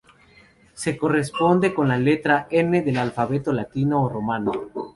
Se corresponde con la letra N del alfabeto latino o romano.